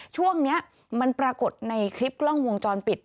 ช่วงนี้มันปรากฏในคลิปกล้องวงจรปิด